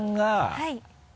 はい。